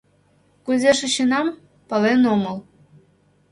Кузе шочынам — пален омыл.